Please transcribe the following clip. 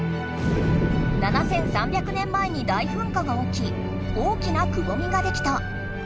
７，３００年前に大ふんかがおき大きなくぼみができた。